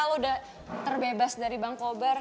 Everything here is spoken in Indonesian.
lo udah terbebas dari bangkobar